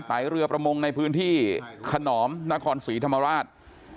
เรือประมงในพื้นที่ขนอมนครศรีธรรมราช